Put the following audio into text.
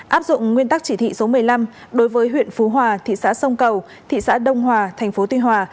áp dụng nguyên tắc chỉ thị số một mươi năm đối với huyện phú hòa thị xã sông cầu thị xã đông hòa thành phố tuy hòa